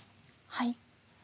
はい。